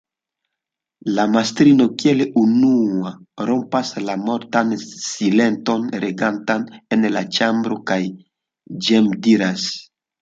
La mastrino kiel unua rompas la mortan silenton, regantan en la ĉambro kaj ĝemdiras: